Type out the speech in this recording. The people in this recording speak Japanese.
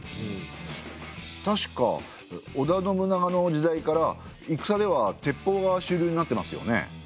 確か織田信長の時代から戦では鉄砲が主流になってますよね。